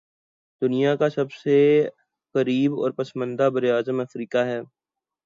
دنیا کا سب سے غریب اور پسماندہ براعظم افریقہ ہے